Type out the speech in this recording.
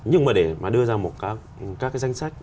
nhưng mà để mà đưa ra một các cái danh sách